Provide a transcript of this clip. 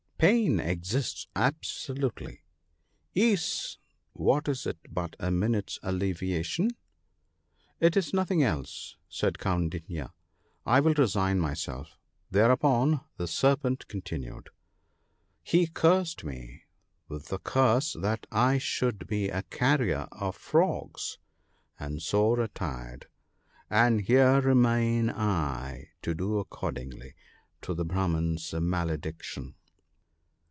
Pain exists absolutely. Ease what is it but a minute's alleviation ?'* It is nothing else,' said Kaundinya :' I will resign myself !' Thereupon," the Serpent continued, " he cursed me ( ll3 ) with the curse that I should be a carrier of frogs, and so retired — and here remain I to do accord ing to the Brahman's malediction."